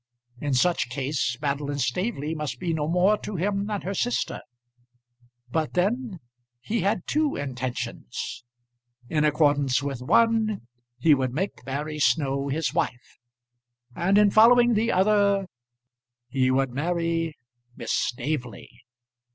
In such case, Madeline Staveley must be no more to him than her sister. But then he had two intentions. In accordance with one he would make Mary Snow his wife; and in following the other he would marry Miss Staveley.